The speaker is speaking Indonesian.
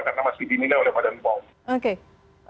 karena masih dimilai oleh waran bom